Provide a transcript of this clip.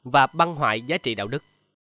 và băng hoại giá trị đạo đức